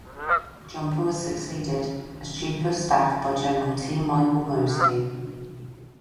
Jumper was succeeded as Chief of Staff by General T. Michael Moseley.